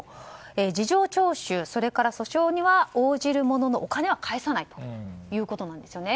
事情聴取それから訴訟には応じるもののお金は返さないということですね。